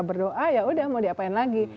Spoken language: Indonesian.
berdoa ya udah mau diapain lagi